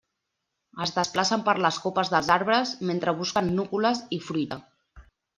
Es desplacen per les copes dels arbres mentre busquen núcules i fruita.